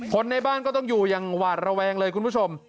คนในบ้านก็ต้องอยู่อย่างหวาดระแวงเลยคุณผู้ชม